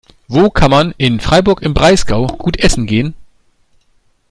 Wo kann man in Freiburg im Breisgau gut essen gehen?